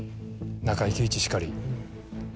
中井貴一しかり。